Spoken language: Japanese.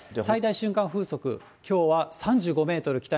最大瞬間風速、きょうは３５メートル